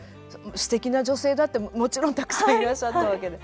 すてきな女性だってもちろんたくさんいらっしゃったわけで。